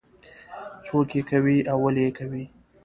څوک یې کوي او ولې یې کوي.